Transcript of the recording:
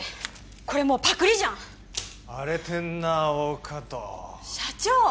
これもうパクりじゃん荒れてんなあ大加戸社長